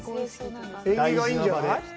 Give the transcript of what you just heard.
縁起がいいんじゃない？